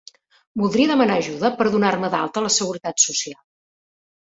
Voldria demanar ajuda per donar-me d'alta a la seguretat social.